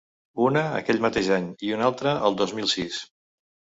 Una, aquell mateix any i una altra el dos mil sis.